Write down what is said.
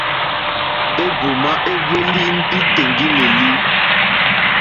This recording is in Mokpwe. Éhwùmá éhwélì ndí tèŋɡí!lélí.